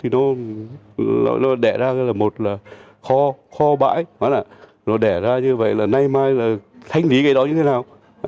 nó đẻ ra là một kho bãi nó đẻ ra như vậy là nay mai là thanh lý cái đó như thế nào